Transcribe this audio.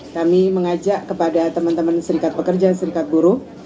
kami mengajak kepada teman teman serikat pekerja serikat buruh